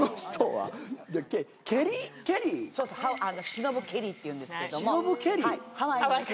忍ケリーっていうんですけども。